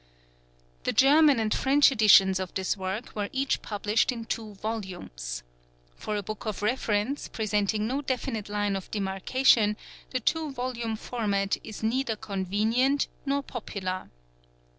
Y The German and French editions of this work were each published in two volumes. For a book of reference, presenting no definite line of demarcation, the two volume format is neither convenient nor popular.